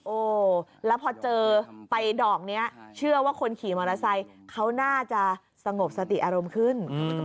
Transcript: โอ้แล้วพอเจอไปดอกนี้เชื่อว่าคนขี่มอเตอร์ไซค์เขาน่าจะสงบสติอารมณ์ขึ้น